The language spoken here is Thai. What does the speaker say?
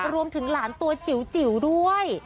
รวมถึงหลานตัวจิ๋วด้วย